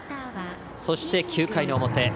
そして、９回の表。